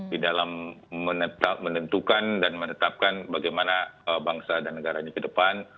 di dalam menentukan dan menetapkan bagaimana bangsa dan negara ini ke depan